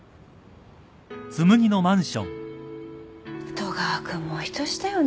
戸川君もお人よしだよね。